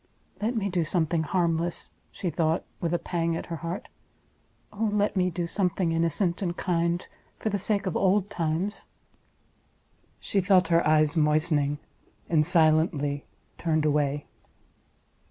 "Let me do something harmless!" she thought, with a pang at her heart—"oh let me do something innocent and kind for the sake of old times!" She felt her eyes moistening, and silently turned away.